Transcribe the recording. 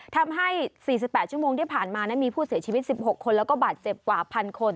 ทำให้๔๘ชั่วโมงที่ผ่านมานั้นมีผู้เสียชีวิต๑๖คนแล้วก็บาดเจ็บกว่า๑๐๐คน